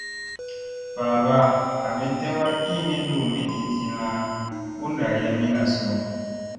Babaa ,ami tew a iimi lumu ii tilla u ɗarayamina su ?